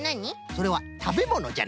それはたべものじゃな？